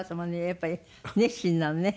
やっぱり熱心なのね。